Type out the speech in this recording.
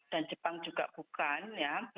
dan jepang juga bukan ya